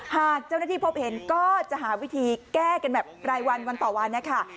หากเจ้าหน้าที่พบเห็นก็จะหาวิธีแก้กันแบบรายวันวันต่อวันนะคะ